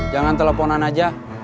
jangan teleponan aja